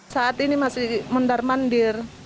saat ini masih mendarmandir